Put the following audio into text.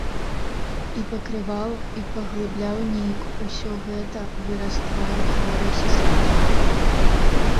І пакрываў, і паглыбляў нейк усё гэта выраз твару хворай сястры.